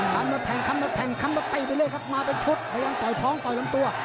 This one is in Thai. กลับมาแทงมาแทงคำตไปไปเลยมาเป็นชุดประหลาดต่อยท้องต่อลงตัว